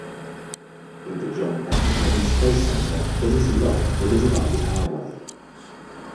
In the John F. Kennedy Space Center, it is long with a divided highway.